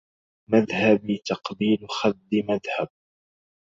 مذهبي تقبيل خد مذهب